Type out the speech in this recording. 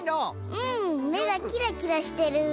うんめがキラキラしてる。